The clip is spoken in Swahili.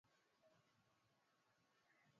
unaanza na mktasari wa habari muziki